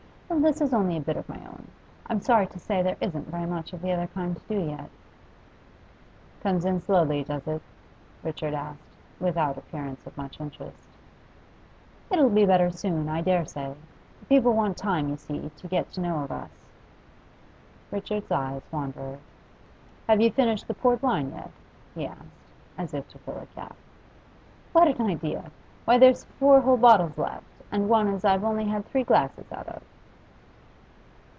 'Oh, this is only a bit of my own. I'm sorry to say there isn't very much of the other kind to do yet.' 'Comes in slowly, does it?' Richard asked, without appearance of much interest. 'It'll be better soon, I dare say. People want time, you see, to get to know of us.' Richard's eyes wandered. 'Have you finished the port wine yet?' he asked, as if to fill a gap. 'What an idea! Why, there's four whole bottles left, and one as I've only had three glasses out of.